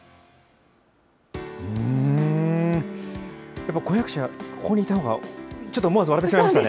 やっぱ婚約者、ここにいたほうがちょっと思わず笑ってしまいましたね。